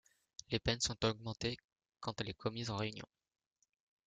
Les peines sont augmentées quand elle est commise en réunion.